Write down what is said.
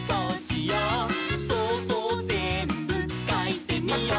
「そうそうぜんぶかいてみよう」